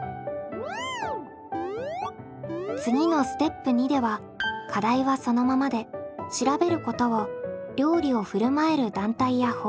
次のステップ２では課題はそのままで「調べること」を料理をふるまえる団体や方法に変更。